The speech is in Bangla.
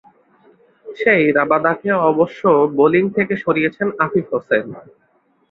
সেই রাবাদাকে অবশ্য বোলিং থেকে সরিয়েছেন আফিফ হোসেন।